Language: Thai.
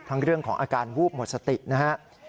เรื่องของอาการวูบหมดสตินะครับ